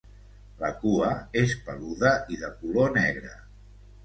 La cua és peluda i de color negre.